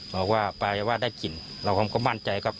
บอกว่าปรายว่าได้กลิ่นเราก็มั่นใจครับ